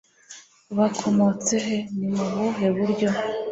Bakomotse he Ni mu buhe buryo